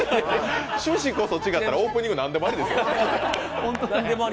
趣旨こそ違ったら、オープニング何でもありですよ。